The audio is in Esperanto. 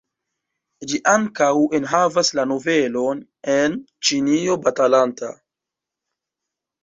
Ĝi ankaŭ enhavas la novelon "En Ĉinio batalanta".